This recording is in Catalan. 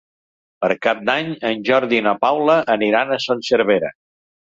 Per Cap d'Any en Jordi i na Paula aniran a Son Servera.